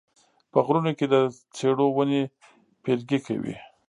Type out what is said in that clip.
په غرونو کې د څېړو ونې پیرګي کوي